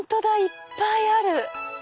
いっぱいある。